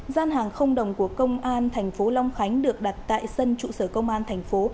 gian hàng không đồng của công an thành phố long khánh được đặt tại sân trụ sở công an thành phố